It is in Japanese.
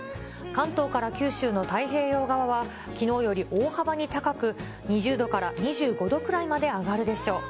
関東から九州の太平洋側は、きのうより大幅に高く、２０度から２５度くらいまで上がるでしょう。